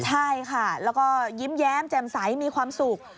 ใช่ค่ะแล้วก็ยิ้มแย้มแจ่มใสมีความสุข